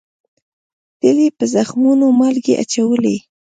تل یې په زخمونو مالگې اچولې